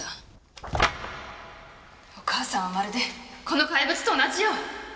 お母さんはまるでこの怪物と同じよ！